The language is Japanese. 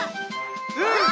うん！